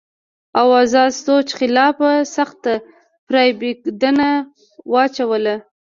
او ازاد سوچ خلاف سخته پراپېګنډه اوچلوله